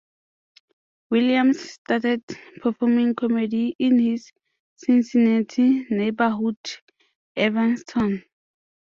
Williams started performing comedy in his Cincinnati neighborhood, Evanston.